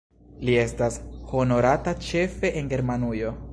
Li estas honorata ĉefe en Germanujo.